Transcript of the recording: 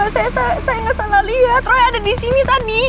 saya gak salah liat roy ada disini tadi